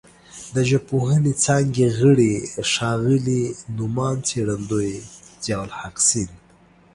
د ژبپوهنې څانګې غړي ښاغلي نوماند څېړندوی ضیاءالحق سیند